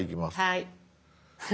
はい。